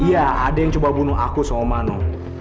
iya ada yang coba bunuh aku sama mano